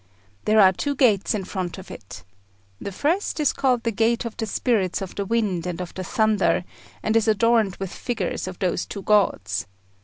There are two gates in front of it. The first is called the Gate of the Spirits of the Wind and of the Thunder, and is adorned with figures of those two gods.